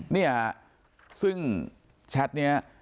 เนี่ยซึ่งแชตเนี่ย